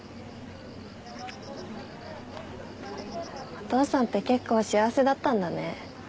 お父さんって結構幸せだったんだね。